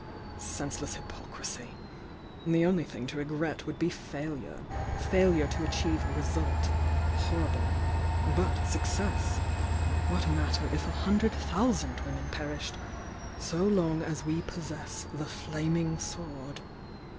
Senseless hypocrisy!— The only thing to regret would be failure! Failure to achieve result, — ^horrible! But success! — ^what matter if a hundred thousand women perished, so long as we possess the Flaming Sword!"